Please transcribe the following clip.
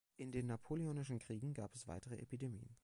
In den Napoleonischen Kriegen gab es weitere Epidemien.